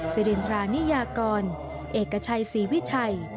สิรินทรานิยากรเอกชัยศรีวิชัย